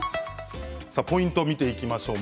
ポイントを見ていきましょう。